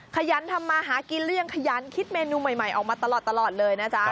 ขยันทำมาหากินเลี่ยงขยันคิดเมนูใหม่ออกมาตลอดเลยนะจ๊ะ